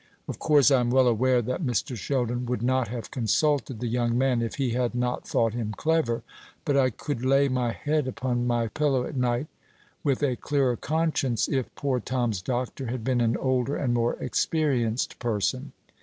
Of course I am well aware that Mr. Sheldon would not have consulted the young man if he had not thought him clever; but I could lay my head upon my pillow at night with a clearer conscience if poor Tom's doctor had been an older and more experienced person.